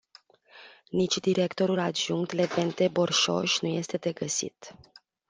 Nici directorul adjunct Levente Borșoș nu este de găsit.